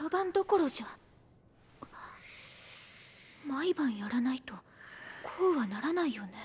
毎晩やらないとこうはならないよね？